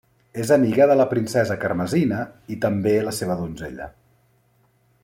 És amiga de la princesa Carmesina i també la seva donzella.